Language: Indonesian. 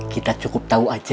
kita cukup tahu aja